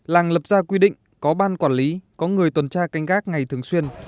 làng lập ra quy định có ban quản lý có người tuần tra canh gác ngày thường xuyên